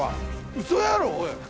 ウソやろおい！